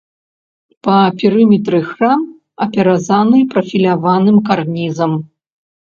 Па перыметры храм апяразаны прафіляваным карнізам.